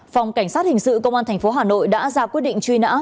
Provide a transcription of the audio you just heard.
phòng cảnh sát hình sự công an tp hà nội đã ra quyết định truy nã